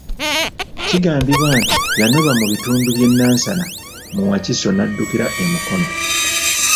Kigambibwa nti yanoba mu bitundu by'e Nansana mu Wakiso n'addukira e Mukono.